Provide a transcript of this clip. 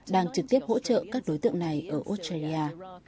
đang trực tiếp hỗ trợ các đối tượng này ở australia